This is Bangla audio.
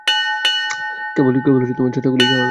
কেবল ছয়টা গুলিই চালানো যায়।